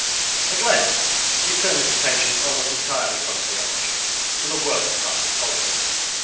At length he turned his attention almost entirely from theology to the worst part of politics.